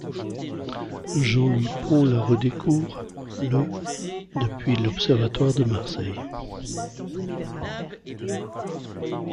Jean-Louis Pons la redécouvre le depuis l'observatoire de Marseille.